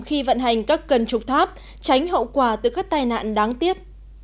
khi vận hành các cân trục tháp tránh hậu quả từ các tai nạn đáng tiếc